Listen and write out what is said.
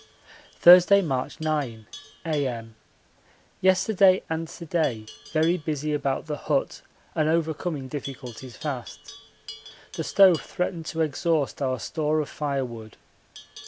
Thursday, March 9, A.M. Yesterday and to day very busy about the hut and overcoming difficulties fast. The stove threatened to exhaust our store of firewood.